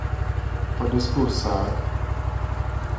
For the school, sir?